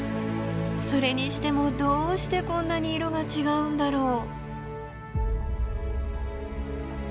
それにしてもどうしてこんなに色が違うんだろう？